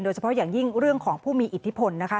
เฉพาะอย่างยิ่งเรื่องของผู้มีอิทธิพลนะคะ